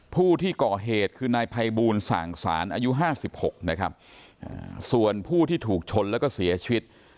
ผู้ที่ก่อเหตุคือนายภัยบูลสั่งสารอายุ๕๖นะครับส่วนผู้ที่ถูกชนแล้วก็เสียชีวิต